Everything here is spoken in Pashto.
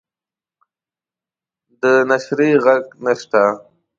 د نشریح ږغ نشته